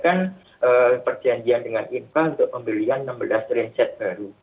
kemarin mengadakan perjanjian dengan infa untuk pembelian enam belas rinset baru